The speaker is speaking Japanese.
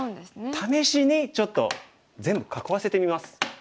試しにちょっと全部囲わせてみます。